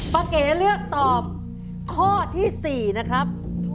เก๋เลือกตอบข้อที่๔นะครับ